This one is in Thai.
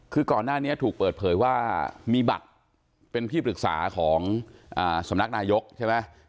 คือก่อนหน้านี้ถูกเปิดเผยว่ามีบัตรเป็นที่ปรึกษาของสำนักนายกใช่ไหม